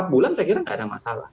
empat bulan saya kira nggak ada masalah